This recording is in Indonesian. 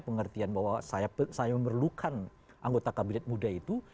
pengertian bahwa saya memerlukan anggota kabinet muda itu